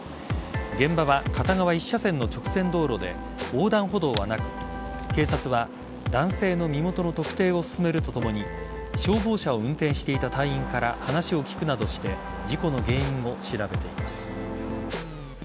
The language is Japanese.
現場は片側１車線の直線道路で横断歩道はなく警察は男性の身元の特定を進めるとともに消防車を運転していた隊員から話を聞くなどして事故の原因を調べています。